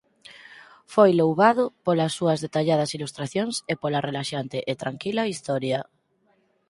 Foi louvado polos súas detalladas ilustracións e pola relaxante e tranquila historia.